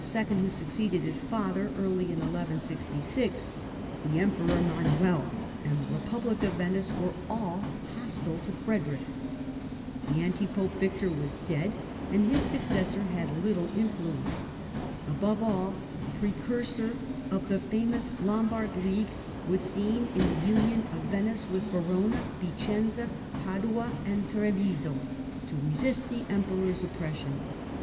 who succeeded his father early in 1166, the Emperor Manuel, and the republic of Venice were all hostile to Frederick: the anti pope Victor was dead and his successor had little influence: above all, the precursor of the famous Lom bard League was seen in the union of Venice with FREDERICK T. AND THE LOMBARD COMMUNES 161 Verona, Vicenza, Padua and Treviso to resist the Em peror's oppression.